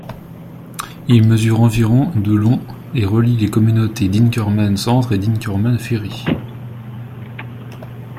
Il mesure environ de long et relie les communautés d'Inkerman centre et Inkerman Ferry.